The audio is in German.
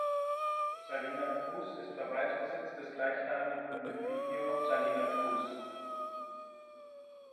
Salina Cruz ist Verwaltungssitz des gleichnamigen Municipio Salina Cruz.